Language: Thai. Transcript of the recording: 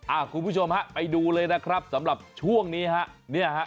คุณผู้ชมฮะไปดูเลยนะครับสำหรับช่วงนี้ฮะเนี่ยฮะ